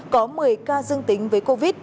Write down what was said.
có một mươi ca dương tính với covid